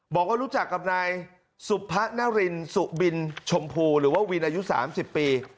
บอกว่ารู้จักกับนายสุพะนรินสุบินชมพูหรือว่าวินอายุ๓๐ปี